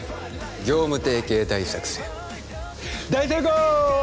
業務提携大作戦大成功！